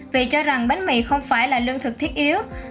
vì cho rằng bánh mì không phải là lương thực thiết yếu